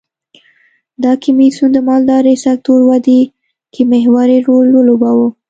دا کمېسیون د مالدارۍ د سکتور ودې کې محوري رول ولوباوه.